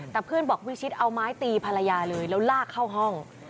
แต่เพื่อนบอกวิชิตเอาไม้ตีภรรยาเลยแล้วลากเข้าห้อง